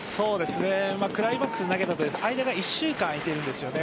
クライマックスで投げてから間が１週間、空いているんです。